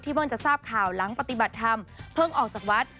เพิ่งจะทราบข่าวหลังปฏิบัติธรรมเพิ่งออกจากวัด